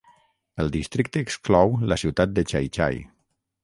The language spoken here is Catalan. El districte exclou la ciutat de Xai-Xai.